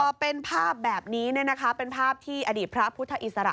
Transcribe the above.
พอเป็นภาพแบบนี้เป็นภาพที่อดีตพระพุทธอิสระ